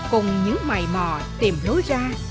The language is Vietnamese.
cùng những mày mò tìm lối ra